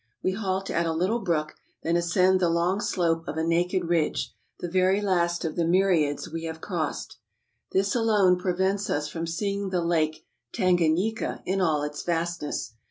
We halt at a little brook, then ascend the long slope of a naked ridge, the very last of the myriads we have crossed. This alone prevents us from seeing the lake (Tanganyika) in all its vastness.